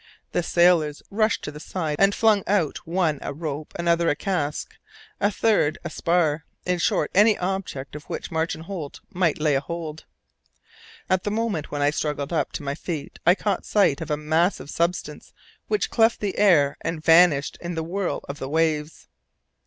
The sailors rushed to the side and flung out one a rope, another a cask, a third a spar in short, any object of which Martin Holt might lay hold. At the moment when I struggled up to my feet I caught sight of a massive substance which cleft the air and vanished in the whirl of the waves.